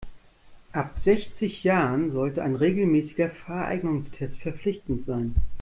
Ab sechzig Jahren sollte ein regelmäßiger Fahreignungstest verpflichtend sein.